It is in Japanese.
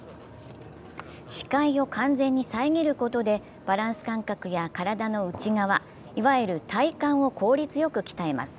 視界を完全に遮ることでバランス感覚や体の内側、いわゆる体幹を効率よく鍛えます。